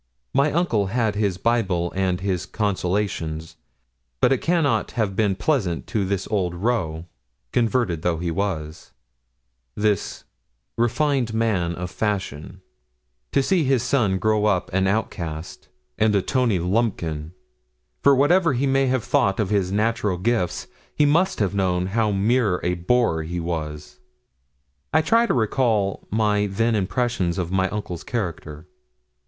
My uncle had his Bible and his consolations; but it cannot have been pleasant to this old roué, converted though he was this refined man of fashion to see his son grow up an outcast, and a Tony Lumpkin; for whatever he may have thought of his natural gifts, he must have known how mere a boor he was. I try to recall my then impressions of my uncle's character.